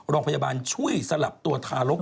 โรงพยาบาลช่วยสลับตัวทารก